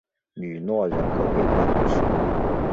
吕诺人口变化图示